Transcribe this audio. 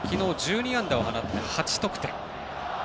昨日１２安打を放って８得点。